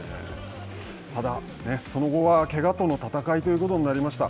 ただ、その後はけがとの闘いということになりました。